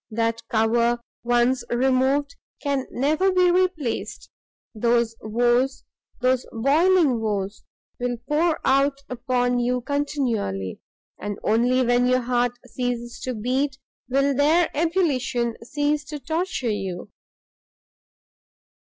that cover once removed, can never be replaced; those woes, those boiling woes, will pour out upon you continually, and only when your heart ceases to beat, will their ebullition cease to torture you!"